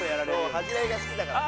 恥じらいが好きだからね。